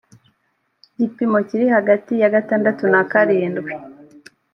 gipimo kiri hagati ya gatandatu na karindwi